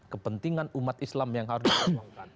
kepentingan umat islam yang harus dipermalukan